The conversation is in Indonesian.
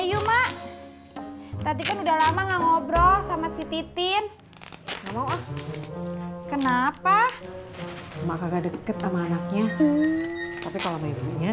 yuma tadi kan udah lama ngobrol sama si titin kenapa maka deket sama anaknya tapi kalau mainnya